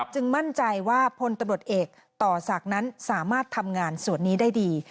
มั่นใจว่าพลตำรวจเอกต่อศักดิ์นั้นสามารถทำงานส่วนนี้ได้ดี